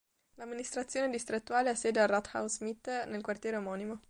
L'amministrazione distrettuale ha sede al "Rathaus Mitte", nel quartiere omonimo.